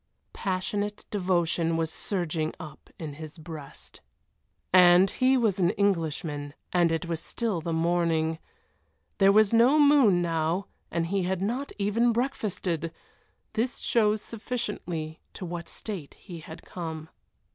Passionate devotion was surging up in his breast. And he was an Englishman, and it was still the morning. There was no moon now and he had not even breakfasted! This shows sufficiently to what state he had come.